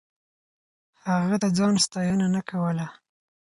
هغه د ځان ستاينه نه کوله.